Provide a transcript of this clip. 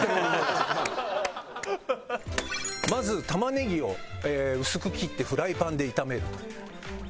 まず玉ねぎを薄く切ってフライパンで炒めるという。